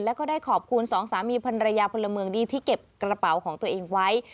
แล้วก็ได้ขอบคุณสองสามีพันรยาพลเมืองดีที่เก็บกระเป๋าของตัวเองไว้